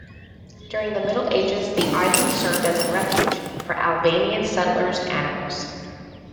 During the Middle Ages the island served as a refuge for Albanian settlers' animals.